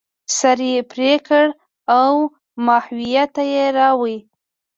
سر یې پرې کړ او ماهویه ته یې راوړ.